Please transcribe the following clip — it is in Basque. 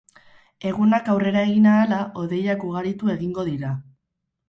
Egunak aurrera egin ahala, hodeiak ugaritu egingo dira.